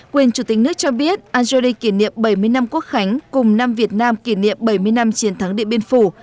quyền chủ tịch nước cho biết algeri kỷ niệm bảy mươi năm quốc khánh cùng năm việt nam kỷ niệm bảy mươi năm chiến thắng điện biên phủ